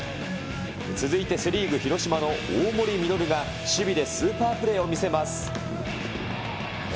続いてセ・リーグ広島の大盛穂が守備でスーパープレーを見せます。